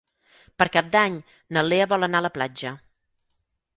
Per Cap d'Any na Lea vol anar a la platja.